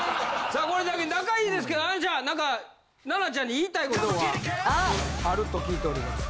さあこれだけ仲良いですけど綾菜ちゃん何か奈々ちゃんに言いたい事があると聞いております。